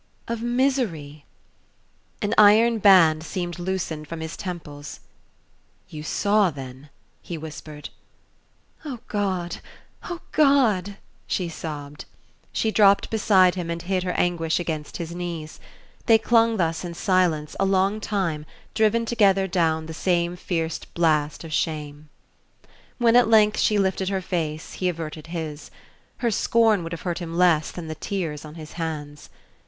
"Of misery...." An iron band seemed loosened from his temples. "You saw then...?" he whispered. "Oh, God oh, God " she sobbed. She dropped beside him and hid her anguish against his knees. They clung thus in silence, a long time, driven together down the same fierce blast of shame. When at length she lifted her face he averted his. Her scorn would have hurt him less than the tears on his hands.